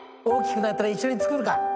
大きくなったら一緒に作るか。